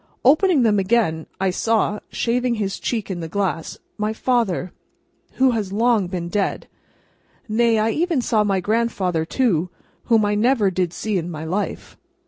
Opening them again, I saw, shaving his cheek in the glass, my father, who has long been dead. Nay, I even saw my grandfather too, whom I never did see in my life.